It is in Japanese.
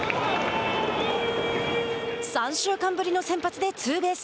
３週間ぶりの先発でツーベース。